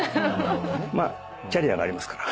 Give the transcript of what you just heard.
まあキャリアがありますから。